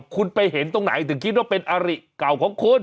คุณไปเห็นตรงไหนถึงคิดว่าเป็นอาริเก่าของคุณ